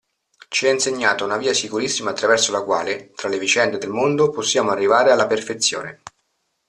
Ci è insegnata una via sicurissima attraverso la quale, tra le vicende del mondo, possiamo arrivare alla perfezione.